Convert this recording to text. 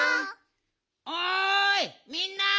・おいみんな！